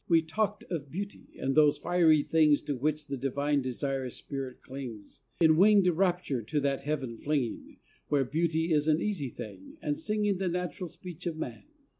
We talked of beauty, and those fiery things To which the divine desirous spirit clings, In a wing’d rapture to that heaven flinging, Where beauty is an easy thing, and singing The natural speech of man.